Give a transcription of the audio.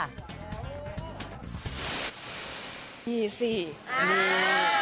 กูจะอ่วนมั้ย